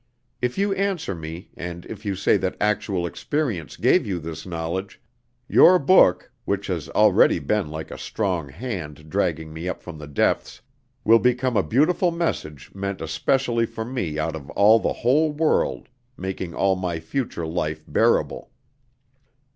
If you answer me, and if you say that actual experience gave you this knowledge, your book which has already been like a strong hand dragging me up from the depths will become a beautiful message meant especially for me out of all the whole world, making all my future life bearable.